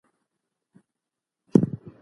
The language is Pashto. چاپیریال ساتنه زموږ ملي دنده ده.